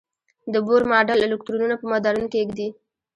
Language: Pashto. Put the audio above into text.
د بور ماډل الکترونونه په مدارونو کې ږدي.